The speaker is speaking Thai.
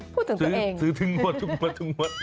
พูดถึงตัวเอง